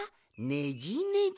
ねじねじ。